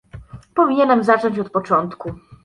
Powinienem zacząć od początku